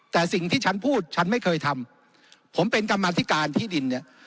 แต่สิ่งที่ฉันพูดฉันไม่เคยทำผมเป็นกรรมาธิการที่ดินเนี่ย